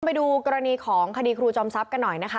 ไปดูกรณีของคดีครูจอมทรัพย์กันหน่อยนะคะ